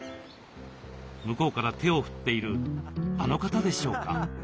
向こうから手を振っているあの方でしょうか？